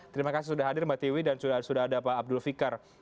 terima kasih sudah hadir mbak tiwi dan sudah ada pak abdul fikar